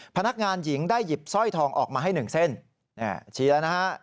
พนักงานหญิงได้หยิบสร้อยทองออกมาให้หนึ่งเส้นชี้แล้วนะฮะ